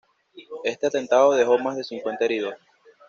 Este atentado dejó más de cincuenta heridos.